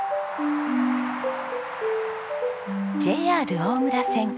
ＪＲ大村線